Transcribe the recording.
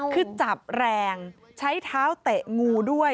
คือจับแรงใช้เท้าเตะงูด้วย